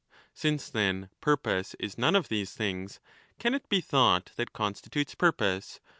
Since, then, purpose is none of these things, can it be thought that constitutes purpose